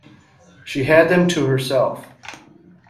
She had them to herself.